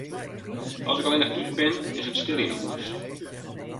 As ik allinnich thús bin, is it stil yn 'e hús.